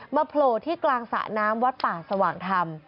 โผล่ที่กลางสระน้ำวัดป่าสว่างธรรม